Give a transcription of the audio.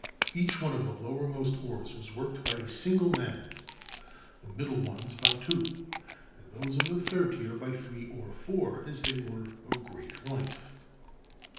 Each one of the lowermost oars was worked by a single man, the middle ones by two, and those of the third tier by three or four, as they were of great length.